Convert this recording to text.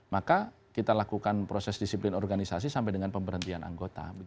maka kita lakukan proses disiplin organisasi sampai dengan pemberhentian anggota